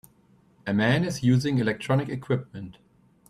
A man is using electronic equipment.